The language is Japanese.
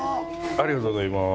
ありがとうございます。